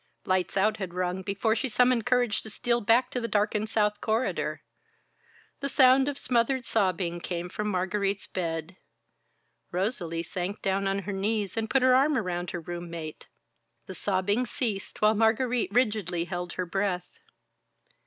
"Lights out" had rung before she summoned courage to steal back to the darkened South Corridor. The sound of smothered sobbing came from Margarite's bed. Rosalie sank down on her knees and put her arm around her room mate. The sobbing ceased while Margarite rigidly held her breath.